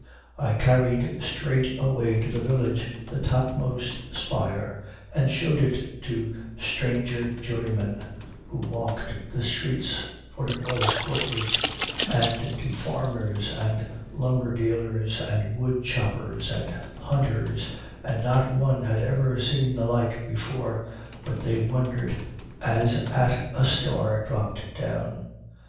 I carried straightway to the village the topmost spire, and showed it to stranger jurymen who walked the streets, for it was court week, and to farmers and lumber dealers and wood choppers and hunters, and not one had ever seen the like before, but they wondered as at a star dropped down.